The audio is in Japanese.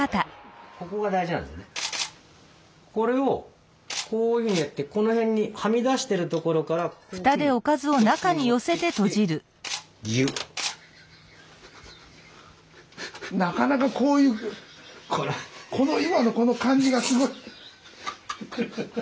これをこういうふうにやってこの辺にはみ出してるところからこういうふうにこっちに持ってきてなかなかこういうこの今のこの感じがすごい。